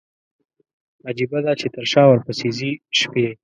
عجيبه ده، چې تر شا ورپسي ځي شپي